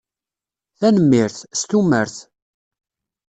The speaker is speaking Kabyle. Tanemmirt. S tumert.